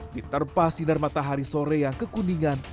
diterpa sinar matahari sore yang kekuningan